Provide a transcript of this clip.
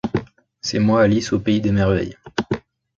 C’est moi Alice, au pays des Merveilles.